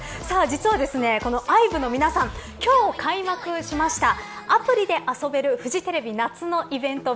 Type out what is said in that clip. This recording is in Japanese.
実は、ＩＶＥの皆さん今日、開幕しましたアプリで遊べるフジテレビ夏のイベント